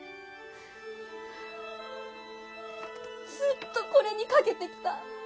ずっとこれにかけてきた。